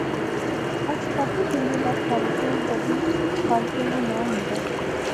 اج کافی دنیں بعد فاروقیں جدوں خالقے ناں ناں ہندا